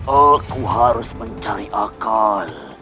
aku harus mencari akal